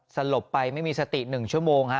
สลบไปไม่มีสติ๑ชั่วโมงฮะ